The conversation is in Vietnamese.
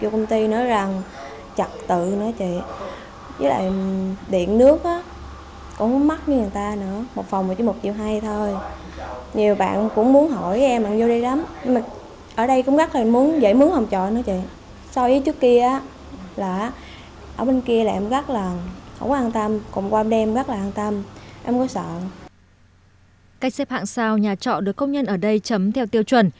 cách xếp hạng sao nhà trọ được công nhân ở đây chấm theo tiêu chuẩn